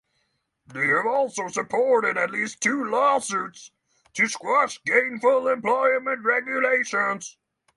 They have also supported at least two lawsuits to squash gainful employment regulations.